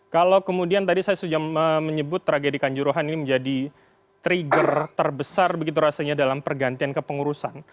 kalau kemudian tadi saya sudah menyebut tragedi kanjuruhan ini menjadi trigger terbesar begitu rasanya dalam pergantian kepengurusan